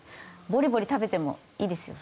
ボリボリ食べてもいいですよ。